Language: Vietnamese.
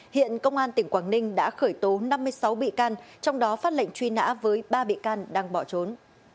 hiện công an tỉnh quảng ninh đã khởi tố năm mươi sáu bị can trong đó phát lệnh truy nã với ba bị can đang bỏ trốn